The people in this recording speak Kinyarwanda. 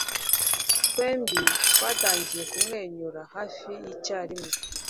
twembi twatangiye kumwenyura hafi icyarimwe